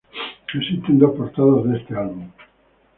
Existen dos portadas de este álbum.